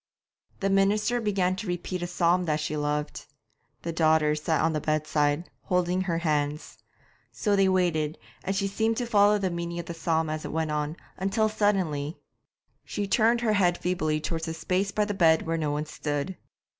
The minister began to repeat a psalm that she loved. The daughters sat on the bedside, holding her hands. So they waited, and she seemed to follow the meaning of the psalm as it went on, until suddenly She turned her head feebly towards a space by the bed where no one stood.